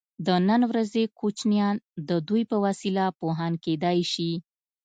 د نن ورځې کوچنیان د دوی په وسیله پوهان کیدای شي.